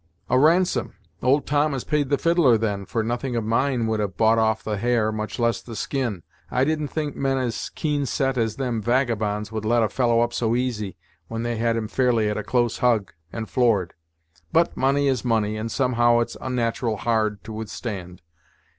"A ransom! Old Tom has paid the fiddler, then, for nothing of mine would have bought off the hair, much less the skin. I didn't think men as keen set as them vagabonds would let a fellow up so easy, when they had him fairly at a close hug, and floored. But money is money, and somehow it's unnat'ral hard to withstand.